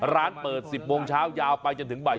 ร้านเปิด๑๐โมงเช้ายาวไปจนถึงบ่าย